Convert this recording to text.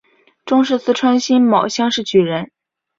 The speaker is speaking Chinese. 中式四川辛卯乡试举人。